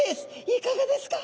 いかがですか？